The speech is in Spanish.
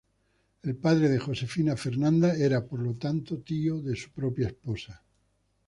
El padre de Josefina Fernanda era por lo tanto tío de su propia esposa.